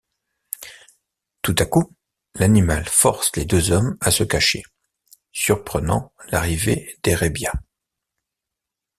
Tout à coup, l'animal force les deux hommes à se cacher, surprenant l’arrivée d’Erébia.